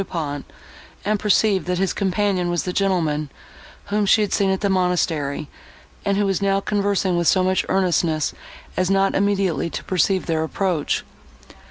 Du Pont, and perceived, that his companion was the gentleman, whom she had seen at the monastery, and who was now conversing with so much earnestness as not immediately to perceive their approach.